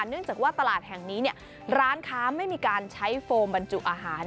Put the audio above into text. เนื่องจากว่าตลาดแห่งนี้ร้านค้าไม่มีการใช้โฟมบรรจุอาหาร